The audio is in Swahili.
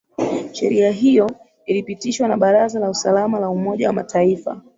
sheria hiyo ilipitishwa na baraza la usalama la umoja wa mataifa